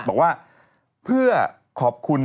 บอกว่าเพื่อขอบคุณ